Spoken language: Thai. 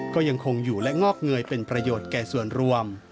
ก็ยังคงอยู่และงอกเงยเป็นประโยชน์แก่ส่วนรวม